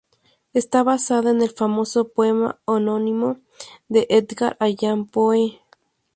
Está basada en el famoso poema homónimo de Edgar Allan Poe.